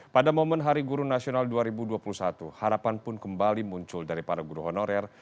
pada momen hari guru nasional dua ribu dua puluh satu harapan pun kembali muncul dari para guru honorer